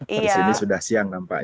di sini sudah siang nampaknya